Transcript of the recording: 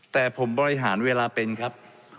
แต่ผมบริหารเวลาเป็นครับ